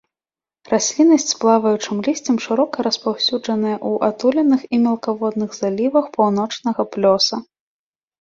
Расліннасць з плаваючымі лісцем шырока распаўсюджаная ў атуленых і мелкаводных залівах паўночнага плёса.